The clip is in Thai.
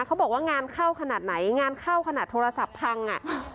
เขาบอกว่างานเข้าขนาดไหนงานเข้าขนาดโทรศัพท์พังอ่ะ